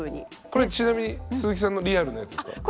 これちなみに鈴木さんのリアルなやつですか？